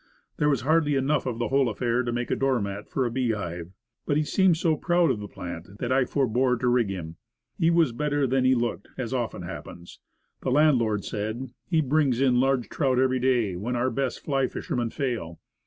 There was hardly enough of the whole affair to make a door mat for a bee hive. But he seemed so proud of the plant, that I forbore to rig him. He was better than he looked as often hap pens. The landlord said, "He brings in large trout At the Spring Hole, 55 every day, when our best fly fishermen fail."